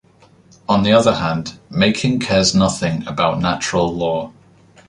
On the other hand, Making cares nothing about natural law.